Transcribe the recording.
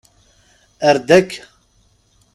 Err-d akka.